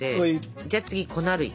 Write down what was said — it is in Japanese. じゃあ次粉類。